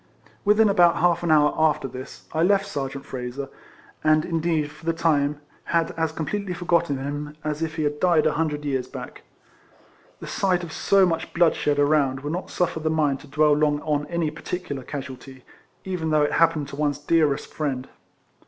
Within about half an hour after this I left Sergeant Frazer, and, indeed, for the time, had as completely forgotten him, as if he had died a hundred years back. The sight of so much bloodshed around, will not suiFer the mind to dwell long on any particular casuality, even though it happen to one's dearest friend.